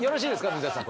水谷さん